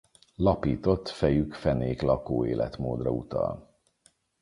Lapított fejük fenéklakó életmódra utal.